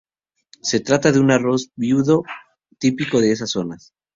Se trata de un arroz viudo típico de estas zonas.